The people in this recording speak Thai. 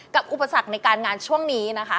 อุปสรรคในการงานช่วงนี้นะคะ